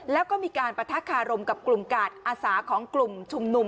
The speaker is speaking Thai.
แล้วก็มีการปะทะคารมกับกลุ่มกาดอาสาของกลุ่มชุมนุม